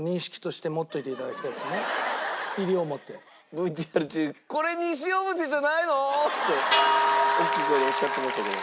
ＶＴＲ中に「これ“にしおもて”じゃないの？」って大きい声でおっしゃってましたけど。